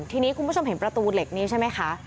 ทีนี้คุณผู้ชมเห็นประตูเหล็กนี้ใช่ไหมคะ